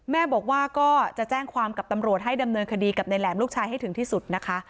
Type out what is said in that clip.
แม่บอกว่าก็จะแจ้งความกับตำรวจให้ดำเนินคดีกับนายแหลมลูกชายให้ถึงที่สุดนะคะ